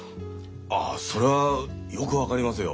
あそらよく分かりますよ。